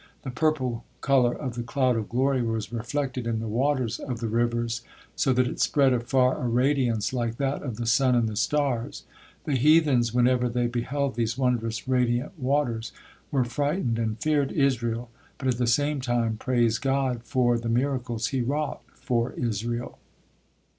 The purple color of the cloud of glory was reflected in the waters of the rivers, so that it spread afar a radiance like that of the sun and the stars. The heathens, whenever they beheld these wondrous radiant waters, were frightened and feared Israel, but at the same time praised God for the miracles He wrought for Israel.